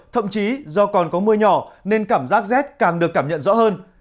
thậm chí do còn có mưa nhỏ nên cảm giác rét càng được cảm nhận rõ hơn